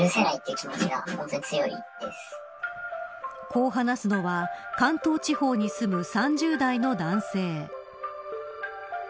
こう話すのは関東地方に住む３０代の男性。